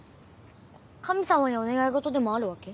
神様にお願い事でもあるわけ？